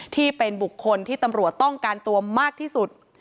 ที่เป็นบุคคลที่ตำรวจต้องการตัวมากที่สุด